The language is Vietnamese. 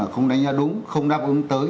không đánh giá đúng không đáp ứng tới